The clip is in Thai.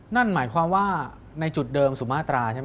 นั่นหมายความว่าในจุดเดิมสุมาตราใช่ไหม